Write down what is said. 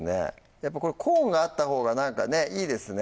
やっぱこれコーンがあったほうがなんかねいいですね